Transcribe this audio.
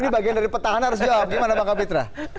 ini bagian dari petahana harus jawab gimana bang kapitra